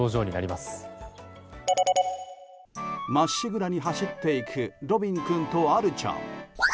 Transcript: まっしぐらに走っていくロビン君とアルちゃん。